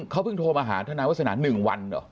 เขาเพิ่งโทรมาหาทนายวาสนา๑วันเหรอ